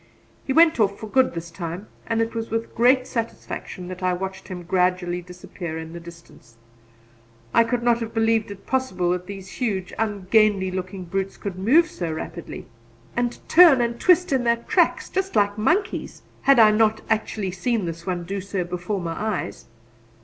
He went off for good this time, and it was with great satisfaction that I watched him gradually disappear in the distance. I could not have believed it possible that these huge, ungainly looking brutes could move so rapidly, and turn and twist in their tracks just like monkeys, had I not actually seen this one do so before my eyes.